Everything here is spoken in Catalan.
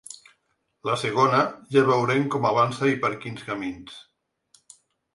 La segona, ja veurem com avança i per quins camins.